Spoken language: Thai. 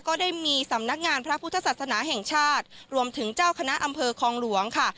ก็ได้มีสำนักงานพระพุทธศาสนาแห่งชาติรวมถึงเจ้าคณะอำเภอคลองหลวงค่ะ